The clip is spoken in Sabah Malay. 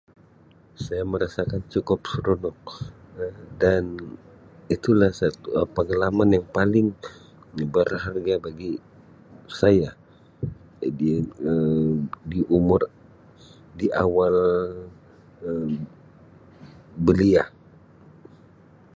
Saya merasakan cukup seronok dan itu lah satu pengalaman yang paling berharga bagi saya di Um di umur di awal Um belia.